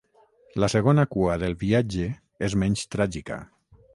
La segona cua del viatge és menys tràgica.